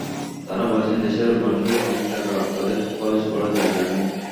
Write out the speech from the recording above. তঁারা বলেছেন, দেশের মানুষের অনেক টাকা, তঁাদের খরচ করার জায়গা নেই।